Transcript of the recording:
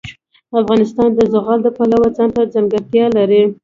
افغانستان د زغال د پلوه ځانته ځانګړتیا لري.